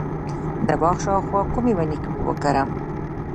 د باغ شاوخوا کومې ونې وکرم؟